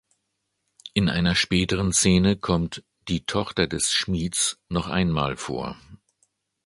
In einer späteren Szene kommt "Die Tochter des Schmieds" noch einmal vor.